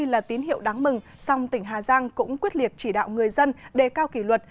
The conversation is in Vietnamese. là tín hiệu đáng mừng song tỉnh hà giang cũng quyết liệt chỉ đạo người dân đề cao kỷ luật